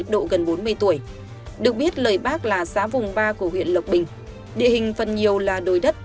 độ gần bốn mươi tuổi được biết lời bác là xã vùng ba của huyện lộc bình địa hình phần nhiều là đồi đất